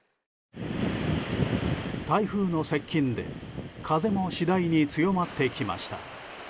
台風の接近で風も次第に強まってきました。